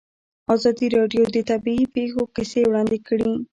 ازادي راډیو د طبیعي پېښې کیسې وړاندې کړي.